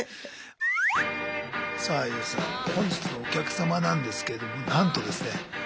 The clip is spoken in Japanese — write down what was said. さあＹＯＵさん本日のお客様なんですけれどもなんとですね